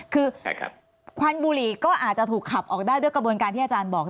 คือควันบุหรี่ก็อาจจะถูกขับออกได้ด้วยกระบวนการที่อาจารย์บอก